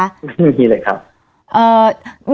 ไม่มีเลยครับ